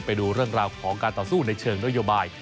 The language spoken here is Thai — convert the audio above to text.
ไปดูเรื่องราวของการต่อสู้ในเชิงนโยบาย